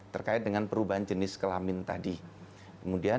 terkait dengan perubahan dalam wajahnya